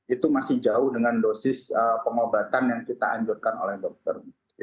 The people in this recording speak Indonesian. itu masih jauh dengan dosis pengobatan yang kita anjurkan oleh dokter